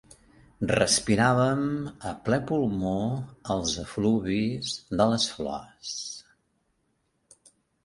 Respiràvem a ple pulmó els efluvis de les flors.